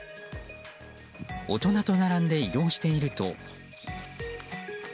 大人と並んで移動していると。